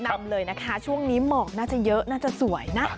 นำเลยนะคะช่วงนี้หมอกน่าจะเยอะน่าจะสวยนะ